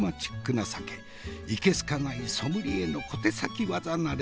いけすかないソムリエの小手先技なれ